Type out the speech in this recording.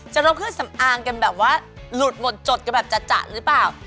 จะรับคืนสำอางเป็นแบบว่าหลุดหมดจดกันแบบจัดหรือเปล่า